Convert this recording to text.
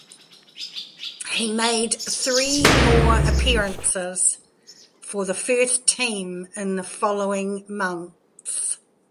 He made three more appearances for the first team in the following months.